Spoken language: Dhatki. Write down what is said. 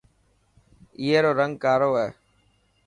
اي رو رنگ ڪارو هي.